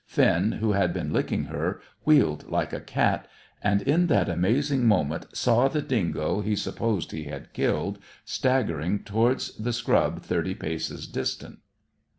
Finn, who had been licking her, wheeled like a cat, and in that amazing moment saw the dingo he supposed he had killed staggering towards the scrub thirty paces distant.